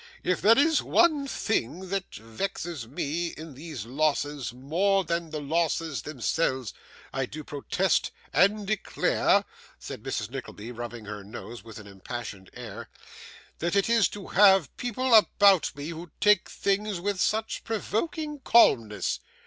If there is any one thing that vexes me in these losses more than the losses themselves, I do protest and declare,' said Mrs. Nickleby, rubbing her nose with an impassioned air, 'that it is to have people about me who take things with such provoking calmness.